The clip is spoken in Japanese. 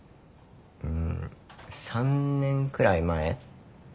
うーん３年くらい前？